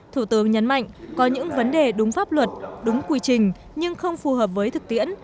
thủ tướng nhấn mạnh có những vấn đề đúng pháp luật đúng quy trình nhưng không phù hợp với thực tiễn